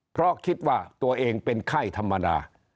เพราะคิดว่าตัวเองเป็นไข้ธรรมดา